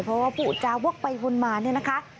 เพราะว่าผู้จาวกไปวนมาเนี่ยนะคะ